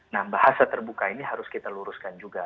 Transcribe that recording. nah bahasa terbuka ini harus kita luruskan juga